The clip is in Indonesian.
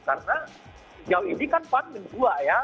karena jauh ini kan pan menjua ya